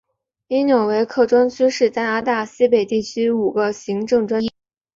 因纽维克专区是加拿大西北地区五个行政专区之一。